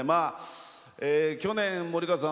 去年、森川さん